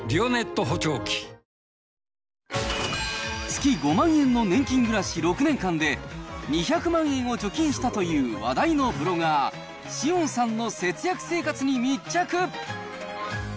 月５万円の年金暮らし６年間で、２００万円を貯金したという話題のブロガー、紫苑さんの節約生活に密着。